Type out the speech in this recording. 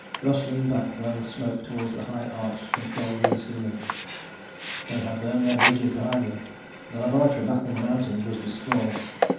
Russ leaned back, blowing smoke toward the high arched control room ceiling. They had burned their bridges behind them. The laboratory back in the mountains was destroyed.